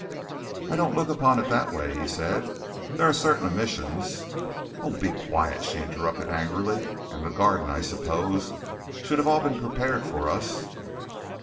"I don't look upon it in that way," he said. "There are certain omissions " "Oh, be quiet!" she interrupted angrily. "And the garden, I suppose, should all have been prepared for us?"